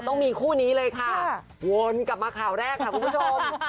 ต้องมีคู่นี้เลยค่ะวนกลับมาข่าวแรกค่ะคุณผู้ชม